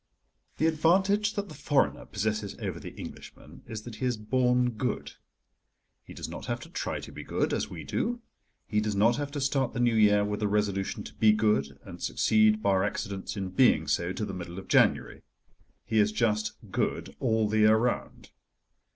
The advantage that the foreigner possesses over the Englishman is that he is born good. He does not have to try to be good, as we do. He does not have to start the New Year with the resolution to be good, and succeed, bar accidents, in being so till the middle of January. He is just good all the year round.